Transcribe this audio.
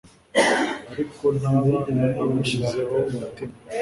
ariko ntaba agushyizeho umutima